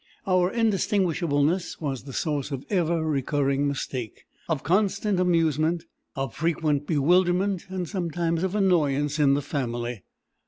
Our indistinguishableness was the source of ever recurring mistake, of constant amusement, of frequent bewilderment, and sometimes of annoyance in the family.